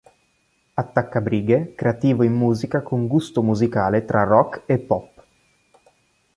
Attaccabrighe, creativo in musica con gusto musicale tra rock e pop.